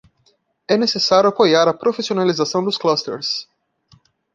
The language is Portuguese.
É necessário apoiar a profissionalização dos clusters.